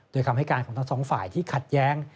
โดยคำให้การของทั้งสองฝ่ายที่ขัดแย้ง